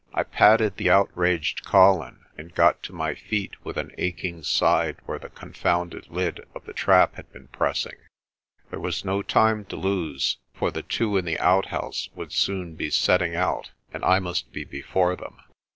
I patted the outraged Colin, and got to my feet with an aching side where the confounded lid of the trap had been pressing. There was no time to lose, for the two in the outhouse would soon be setting out and I must be before them.